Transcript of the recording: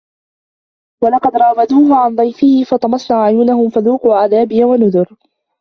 وَلَقَدْ رَاوَدُوهُ عَن ضَيْفِهِ فَطَمَسْنَا أَعْيُنَهُمْ فَذُوقُوا عَذَابِي وَنُذُرِ